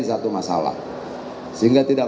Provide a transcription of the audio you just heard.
satu masalah sehingga tidak